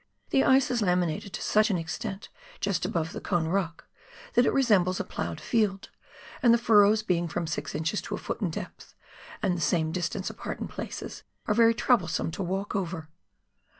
The ice is laminated to such an extent just above the Cone Rock, that it resembles a ploughed field, and the furrows being from six inches to a foot in depth and the same distance apart in places, are very trouble some to walk over.